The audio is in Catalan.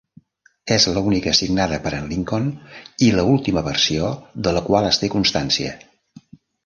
És l'única signada per en Lincoln i l'última versió de la qual es té constància.